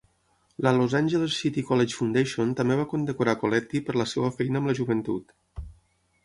La Los Angeles City College Foundation també va condecorar Colletti per la seva feina amb la joventut.